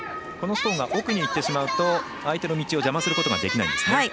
ストーンが奥にいってしまうと相手の道を邪魔することができないんですね。